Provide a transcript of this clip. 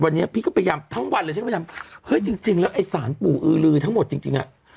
วันนี้พี่ก็พยายามทั้งวันเลยฉันก็พยายามเฮ้ยจริงจริงแล้วไอ้สารปู่อือลือทั้งหมดจริงจริงอ่ะ